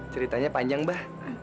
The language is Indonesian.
ceritanya panjang abah